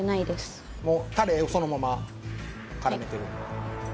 もうタレをそのまま絡めてる？